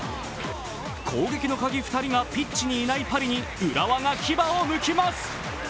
攻撃のカギ２人がピッチにいないパリに浦和が牙をむきます。